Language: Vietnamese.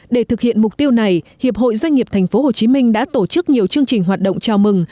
để thực hiện mục tiêu này hiệp hội doanh nghiệp tp hcm đã tổ chức nhiều chương trình hoạt động chào mừng